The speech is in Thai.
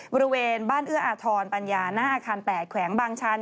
บริเวณบ้านเอื้ออาทรปัญญาหน้าอาคาร๘แขวงบางชัน